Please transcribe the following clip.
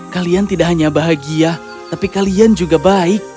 kalian tidak hanya bahagia tapi kalian juga baik